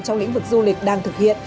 trong lĩnh vực du lịch đang thực hiện